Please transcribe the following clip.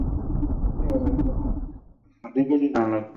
নিজস্ব একটি অভিনয়ের ধারা তৈরি করে সীমানা পেরিয়েও কাজ করতে চায় সে।